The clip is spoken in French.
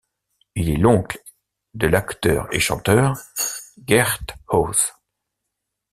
Il est l'oncle de l'acteur et chanteur Geert Hoes.